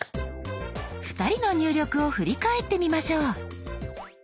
２人の入力を振り返ってみましょう。